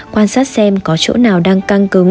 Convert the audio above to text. quan sát xem có chỗ nào đang căng cứng